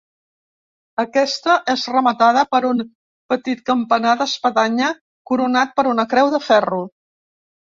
Aquesta és rematada per un petit campanar d'espadanya coronat per una creu de ferro.